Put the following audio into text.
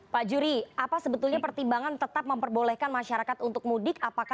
pak juri apa sebetulnya pertimbangan tetap memperbolehkan masyarakat untuk mudik